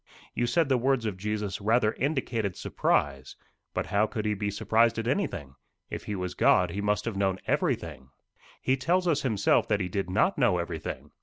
You said the words of Jesus rather indicated surprise. But how could he be surprised at anything? If he was God, he must have known everything." "He tells us himself that he did not know everything.